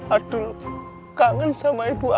adul kangen sama ibu adul